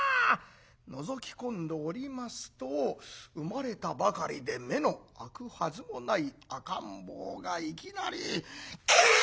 のぞき込んでおりますと生まれたばかりで目の開くはずもない赤ん坊がいきなり「ぎゃっ！」。